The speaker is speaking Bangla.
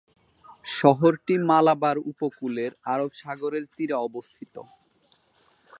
শহরটি মালাবার উপকূলে আরব সাগরের তীরে অবস্থিত।